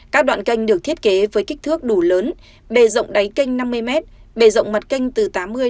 các đoạn canh được thiết kế với kích thước đủ lớn bề rộng đáy canh năm mươi m bề rộng mặt canh từ tám mươi một trăm hai mươi